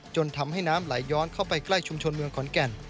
จนทำให้น้ำไหลย้อนเข้าไปใกล้ชุมชนเมืองขอนแก่น